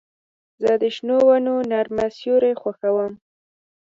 زه د شنو ونو نرمه سیوري خوښوم.